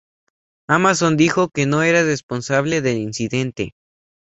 Amazon dijo que no era responsable del incidente.